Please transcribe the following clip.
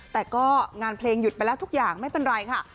แต่ก็งานเพลงหยุดไปแล้วทุกอย่างไม่เป็นไรค่ะ